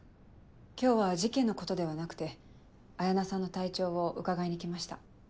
今日は事件のことではなくて彩菜さんの体調を伺いに来ました。